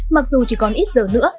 mặc dù chỉ còn ít giờ nữa